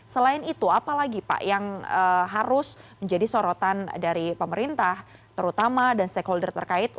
selain itu apa lagi pak yang harus menjadi sorotan dari pemerintah terutama dan stakeholder terkait